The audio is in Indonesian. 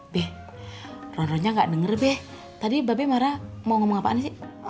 be ron ronnya gak denger be tadi babi marah mau ngomong apaan sih